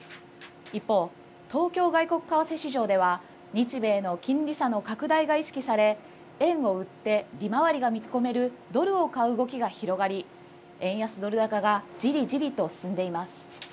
一方、東京外国為替市場では日米の金利差の拡大が意識され円を売って利回りが見込めるドルを買う動きが広がり、円安ドル高がじりじりと進んでいます。